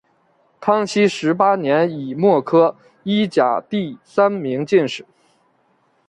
康熙十八年己未科一甲第三名进士。